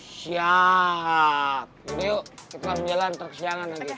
neng aku juga satu ya